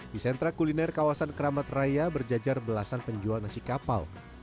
di sentra kuliner kawasan keramat raya berjajar belasan penjual nasi kapau